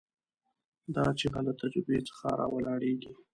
دا چیغه له تجربې څخه راولاړېږي.